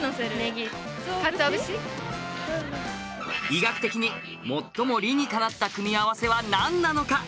医学的に最も理にかなった組み合わせはなんなのか？